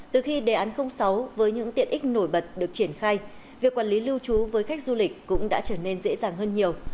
từ khi đề án sáu với những tiện ích nổi bật được triển khai việc quản lý lưu trú với khách du lịch cũng đã trở nên dễ dàng hơn nhiều